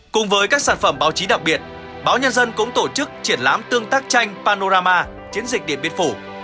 cùng với các sản phẩm báo chí đặc biệt báo nhân dân cũng tổ chức triển lãm tương tác tranh panorama chiến dịch điện biên phủ